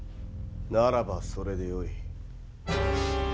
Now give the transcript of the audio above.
ならばそれでよい。